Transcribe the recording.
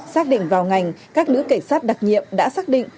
xác định vào ngành các nữ cảnh sát đặc nhiệm đã xác định